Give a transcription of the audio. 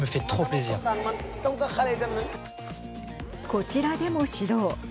こちらでも指導。